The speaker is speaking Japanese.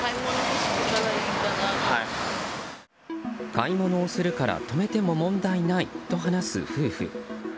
買い物をするから止めても問題ないと話す夫婦。